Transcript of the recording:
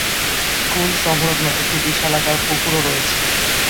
School সংলগ্ন একটি বিশালাকার পুকুর ও রয়েছে।